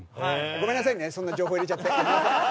ごめんなさいねそんな情報入れちゃって。